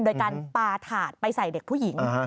โดยการปลาถาดไปใส่เด็กผู้หญิง